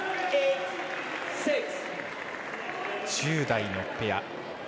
１０代のペア。